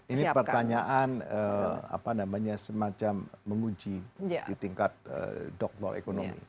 ini pertanyaan apa namanya semacam menguji di tingkat dogball economy